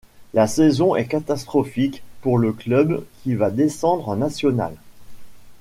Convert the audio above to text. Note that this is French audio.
La saison est catastrophique pour le club qui va descendre en National.